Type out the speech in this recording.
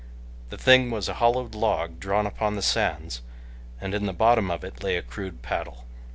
The thing was a hollowed log drawn upon the sands, and in the bottom of it lay a crude paddle.